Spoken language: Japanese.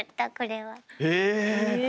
へえ。